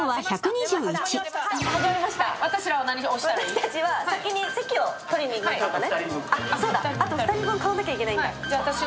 私たちは先に席を取りにいきましょうかね。